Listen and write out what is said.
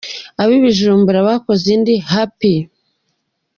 Ab’i Bujumbura bakoze indi ’Happy’ :.